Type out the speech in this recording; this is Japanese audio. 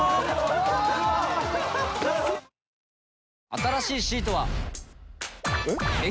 新しいシートは。えっ？